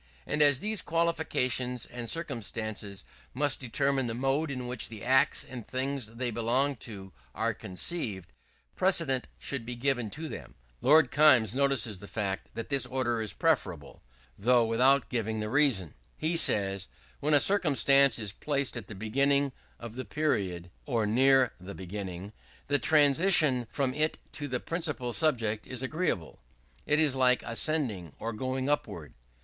And as these qualifications and circumstances must determine the mode in which the acts and things they belong to are conceived, precedence should be given to them. Lord Kaimes notices the fact that this order is preferable; though without giving the reason. He says: "When a circumstance is placed at the beginning of the period, or near the beginning, the transition from it to the principal subject is agreeable: it is like ascending or going upward."